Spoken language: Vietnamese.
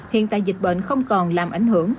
hiện tại dịch bệnh không còn làm ảnh hưởng